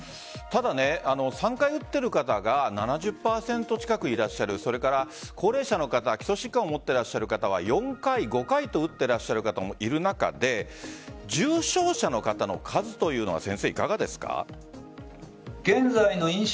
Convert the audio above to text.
ただ３回打っている方が７０％近くいるそれから高齢者の方基礎疾患を持っている方は４回、５回と打っていらっしゃる方もいる中で重症者の方の数というのは先生、いかがですか？